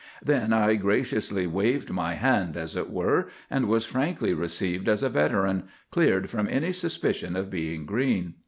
Then I graciously waved my hand, as it were, and was frankly received as a veteran, cleared from every suspicion of being green.